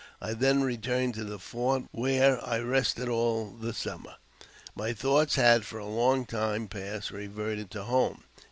I then returned to the fort, where I rested all the summer. My thoughts had for a long time past reverted to home.